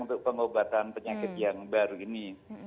untuk pengobatan penyakit yang baru ini